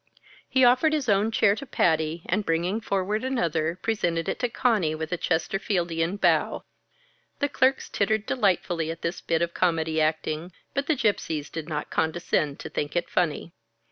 He offered his own chair to Patty, and bringing forward another, presented it to Conny with a Chesterfieldian bow. The clerks tittered delightedly at this bit of comedy acting, but the Gypsies did not condescend to think it funny.